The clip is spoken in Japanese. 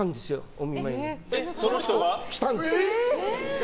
お見舞いに。来たんです。